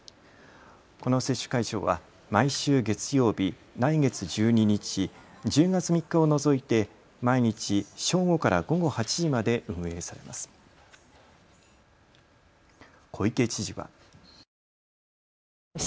この接種会場は、毎週月曜日来月１２日、１０月３日を除いて毎日正午から午後８時まで運営されます。